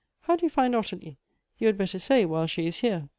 How flo you find Ottilie ? you had better say while she is here."